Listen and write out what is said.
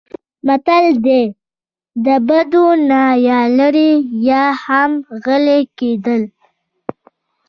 متل دی: د بدو نه یا لرې یا هم غلی کېدل.